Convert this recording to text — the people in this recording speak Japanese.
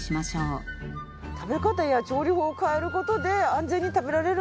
食べ方や調理法を変える事で安全に食べられるんですね。